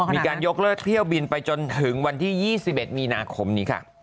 มีการยกเลิกเที่ยวบินไปจนถึงวันที่๒๑มีนาคมนี้ค่ะ